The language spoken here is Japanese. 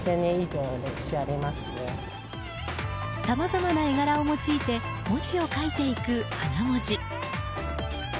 さまざまな絵柄を用いて文字を書いていく花文字。